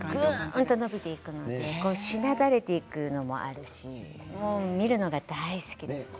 ぐんと伸びていくししなだれていくものもあるし見るのが大好き。